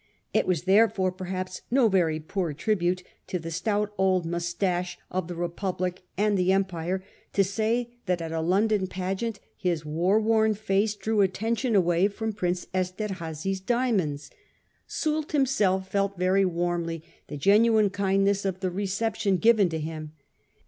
It was therefore, perhaps, no very poor tribute to the stout old moustache of the Republic 'and the Empire to say that at a London pageant his war worn face drew attention away from Prince Es terhazy's diamonds. Soult himself felt very warmly the genuine kindness of the reception given to him.